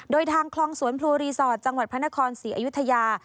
โดยทางคลองสวนพลูรีสอร์ทจังหวัดพระนครศรีอยุธยา